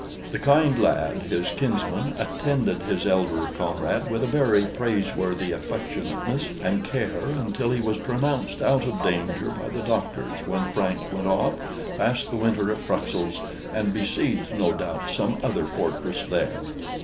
The kind lad, his kinsman, attended his elder comrade with a very praiseworthy affectionateness and care until he was pronounced out of danger by the doctors, when Frank went off, passed the winter at Bruxelles, and besieged, no doubt, some other fortress there.